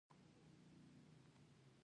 د اورورا شمالي او جنوبي رڼا ده.